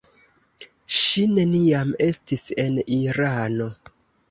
Ŝi neniam estis en Irano.